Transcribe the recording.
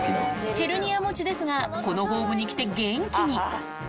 ヘルニア持ちですが、このホームに来て元気に。